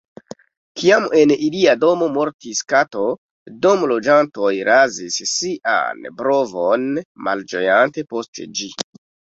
Kiam en ilia domo mortis kato, domloĝantoj razis sian brovon malĝojante post ĝi.